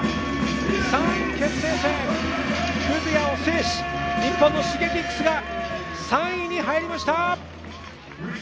３位決定戦、Ｋｕｚｙａを制し、日本のＳｈｉｇｅｋｉｘが３位に入りました。